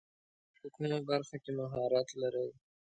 تاسو په کومه برخه کې مهارت لري ؟